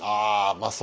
ああ。